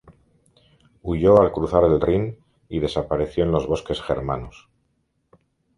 Huyó al cruzar el Rin y desapareció en los bosques germanos.